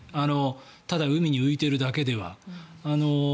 ただ海に浮いているだけでは。